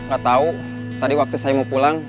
gak tahu tadi waktu saya mau pulang